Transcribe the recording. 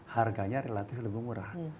harganya relatif lebih murah